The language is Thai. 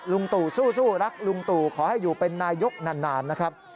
ลุงตู่สู้รักลุงตู่ขอให้อยู่เป็นนายกนานนะครับ